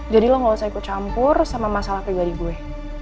jadi lo gak usah ikut campur sama masalah pribadi gue